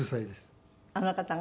あの方が？